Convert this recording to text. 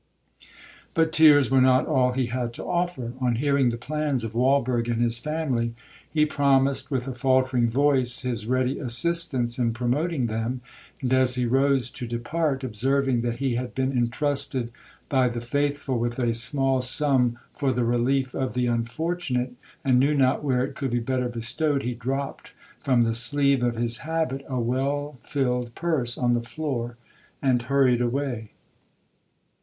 But tears were not all he had to offer. On hearing the plans of Walberg and his family, he promised, with a faultering voice, his ready assistance in promoting them; and, as he rose to depart, observing that he had been entrusted by the faithful with a small sum for the relief of the unfortunate, and knew not where it could be better bestowed, he dropped from the sleeve of his habit a well filled purse on the floor, and hurried away.